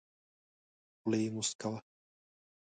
خوله یې موسکه وه .